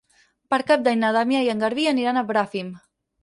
Per Cap d'Any na Damià i en Garbí aniran a Bràfim.